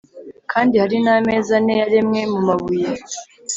Kandi hari n ameza ane yaremwe mu mabuye